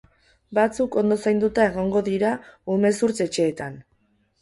Batzuk ondo zainduta egongo dira umezurtz-etxeetan.